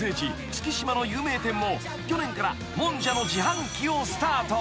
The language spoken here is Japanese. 月島の有名店も去年からもんじゃの自販機をスタート］